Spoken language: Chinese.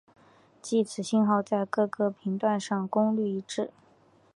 即此信号在各个频段上的功率一致。